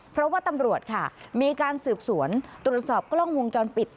เพราะว่าตำรวจค่ะมีการสืบสวนตรวจสอบกล้องวงจรปิด